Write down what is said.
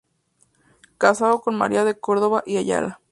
Casado con María de Córdoba y Ayala.